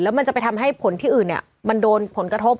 มันจะไปทำให้ผลที่อื่นมันโดนผลกระทบ